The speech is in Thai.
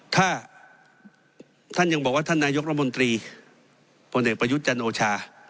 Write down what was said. ถ้าท่านยังบอกว่าท่านนายกรัฐมนตรีพลเอกประยุทธ์จันโอชา